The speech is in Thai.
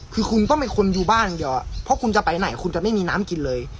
คือคุณก็ไม่คุณอยู่บ้านเดี๋ยวอ่ะเพราะคุณจะไปไหนคุณจะไม่มีน้ำกินเลย